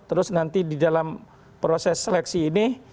terus nanti di dalam proses seleksi ini